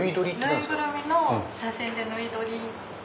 縫いぐるみの写真で縫い撮り。